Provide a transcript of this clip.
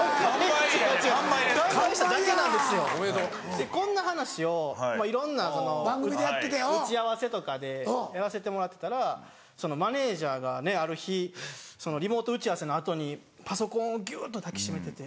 でこんな話をいろんな打ち合わせとかでやらせてもらってたらマネジャーがある日リモート打ち合わせの後にパソコンをぎゅっと抱き締めてて。